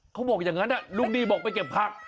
เขาบอกอย่างนั้นลุงดีบอกไปเก็บผัก